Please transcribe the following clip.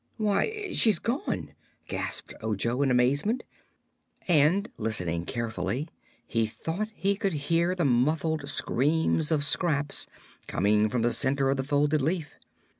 "Why, she's gone!" gasped Ojo, in amazement, and listening carefully he thought he could hear the muffled screams of Scraps coming from the center of the folded leaf.